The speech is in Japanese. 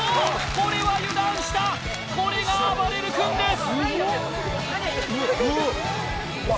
これは油断したこれがあばれる君です！